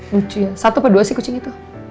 lucu ya satu apa dua sih kucing itu